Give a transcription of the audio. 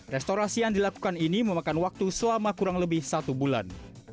restorasi yang dilakukan ini memakan waktu selama kurang lebih satu bulan